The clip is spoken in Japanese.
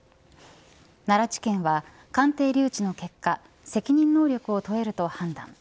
奈良地検は鑑定留置の結果責任能力を問えると判断。